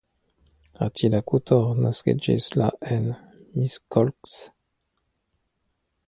Attila Kuttor naskiĝis la en Miskolc.